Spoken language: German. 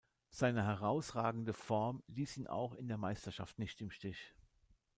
Seine herausragende Form ließ ihn auch in der Meisterschaft nicht im Stich.